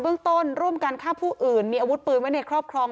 เรื่องต้นร่วมกันฆ่าผู้อื่นมีอาวุธปืนไว้ในครอบครอง